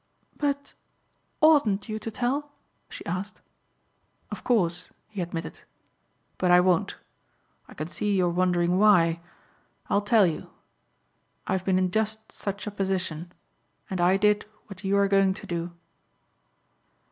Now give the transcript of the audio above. "But ... oughtn't you to tell?" she asked. "Of course," he admitted, "but I won't. I can see you are wondering why. I'll tell you. I've been in just such a position and I did what you are going to do."